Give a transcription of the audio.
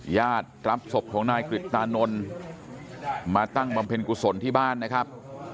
ญาติรับศพของนายกริตตานนท์มาตั้งบำเพ็ญกุศลที่บ้านนะครับ